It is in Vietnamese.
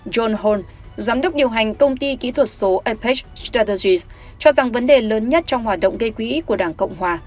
john holt giám đốc điều hành công ty kỹ thuật số apache strategies cho rằng vấn đề lớn nhất trong hoạt động gây quỹ của đảng cộng hòa